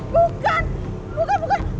bukan bukan bukan